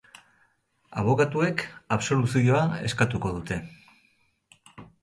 Abokatuek absoluzioa eskatuko dute.